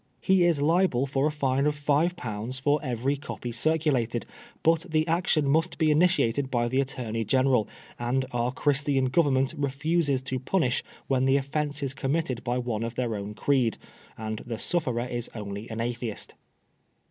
He is liable for a fine of five pounds for every copy circulated, but the action must be initiated by the Attorney General, and our Christian Government re fuses to punish when the offence is committed by one of their own creed, and the sufferer is only an Atheist.